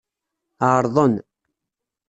Ɛeṛḍen.